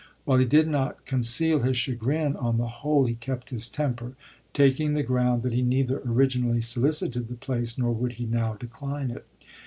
While he did not con ceal his chagrin, on the whole he kept his temper, taking the ground that he neither originally solic ited the place, nor would he now decline it.